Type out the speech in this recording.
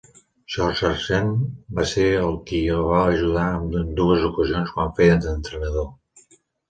George Sargeant va ser qui el va ajudar en ambdues ocasions quan feia d'entrenador.